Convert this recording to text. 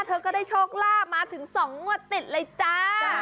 เธอก็ได้โชคลาภมาถึง๒งวดติดเลยจ้า